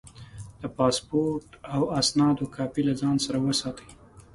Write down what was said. د پاسپورټ او اسنادو کاپي له ځان سره وساته.